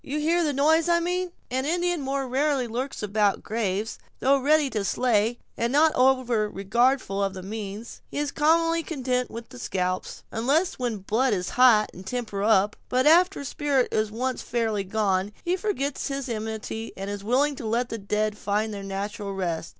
you hear the noise I mean!" "An Indian more rarely lurks about the graves. Though ready to slay, and not over regardful of the means, he is commonly content with the scalp, unless when blood is hot, and temper up; but after spirit is once fairly gone, he forgets his enmity, and is willing to let the dead find their natural rest.